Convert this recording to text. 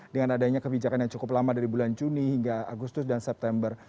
dengan adanya kebijakan yang cukup lama dari bulan juni hingga agustus dan september